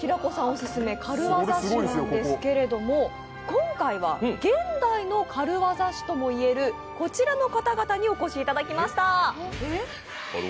オススメ軽業師なんですけれども今回は現代の軽業師とも言えるこちらの方々にお越しいただきました。